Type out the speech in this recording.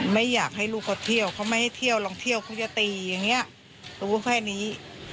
ไม่อยากให้ลูกเขาเที่ยวเขาไม่ให้เที่ยวลองเที่ยวเขาจะตีอย่างนี้รู้แค่นี้